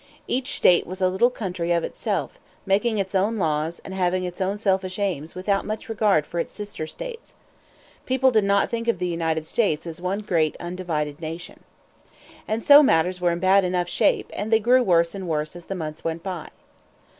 Each state was a little country of itself, making its own laws, and having its own selfish aims without much regard for its sister states. People did not think of the United States as one great undivided nation. And so matters were in bad enough shape, and they grew worse and worse as the months went by.